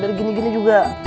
dari gini gini juga